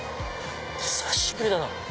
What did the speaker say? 久しぶりだな。